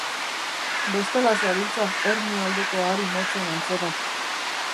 Bestela zabiltza Hernio aldeko ahari motzen antzera.